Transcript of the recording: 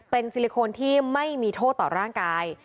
เป็นซิลิโคนที่ไม่มีโทษต่อร่างกาย